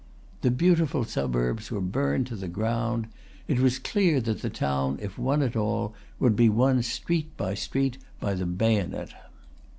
The beautiful suburbs were burned to the ground. It was clear that the town, if won at all, would be won street by street by the bayonet.